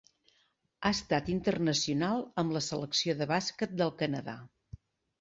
Ha estat internacional amb la selecció de bàsquet del Canadà.